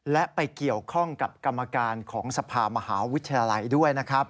และไปเกี่ยวข้องกับกรรมการของสภามหาวิทยาลัยด้วยนะครับ